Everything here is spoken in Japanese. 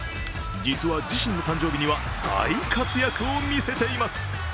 実は、自身の誕生日には大活躍を見せています。